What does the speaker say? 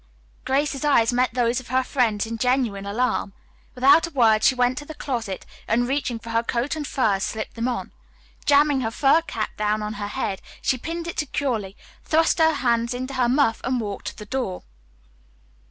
Grace's eyes met those of her friend's in genuine alarm. Without a word she went to the closet and reaching for her coat and furs slipped them on. Jamming her fur cap down on her head, she pinned it securely, thrust her hands into her muff and walked to the door.